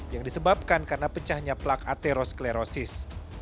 yang disebabkan karena pecahnya plak atherosklerosis